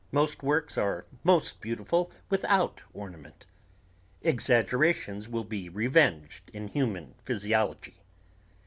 Most works are most beautiful without ornament ... Exaggerations will be revenged in human physiology.